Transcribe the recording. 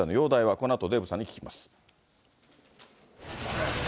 このあとデーブさんに聞きます。